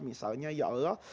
misalnya ya allah